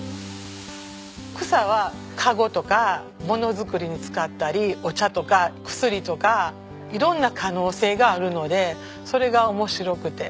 草は籠とかものづくりに使ったりお茶とか薬とか色んな可能性があるのでそれが面白くて。